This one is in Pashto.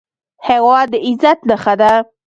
هېواد د عزت نښه ده